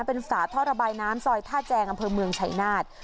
เป็นฝาท่อระบายน้ำซอยท่าแจงอำเภอเมืองชัยนาธ